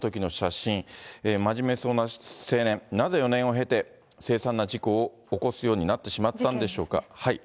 真面目そうな青年、なぜ４年をへて、凄惨な事故を起こすようになってしまったのでしょうか。